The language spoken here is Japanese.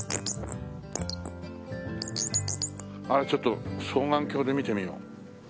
あれちょっと双眼鏡で見てみよう。